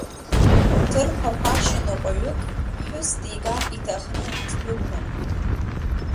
Ҭырқәа ԥашьа ныҟәаҩык ԥҳәыс дигар иҭахны ддәықәын.